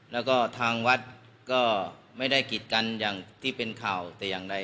แล้วก็ทางวัดก็ไม่ได้กิดกันอย่างที่เป็นข่าวแต่อย่างใด